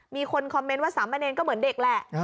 มีคนคอมเมนต์ว่าสามเณรก็เหมือนเด็กแหละ